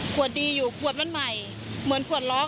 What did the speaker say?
ดีอยู่ขวดมันใหม่เหมือนขวดล้อม